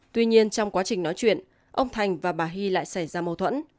tuy nhiên trong quá trình nói chuyện ông thành và bà hy lại xảy ra mâu thuẫn